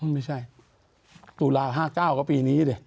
ไม่ใช่ตุลา๕๙ก็ปีนี้ดิ